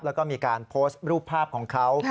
แล้วก็มีการโพสต์รูปภาพของเขา